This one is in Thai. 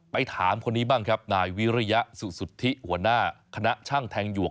ถามคนนี้บ้างครับนายวิริยสุสุทธิหัวหน้าคณะช่างแทงหยวก